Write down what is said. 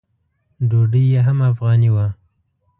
ډوډۍ یې هم افغاني وه.